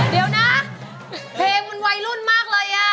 เดี๋ยวนะเพลงมันวัยรุ่นมากเลยอ่ะ